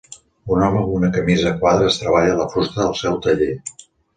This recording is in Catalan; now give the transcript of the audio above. Un home amb una camisa a quadres treballa la fusta al seu taller.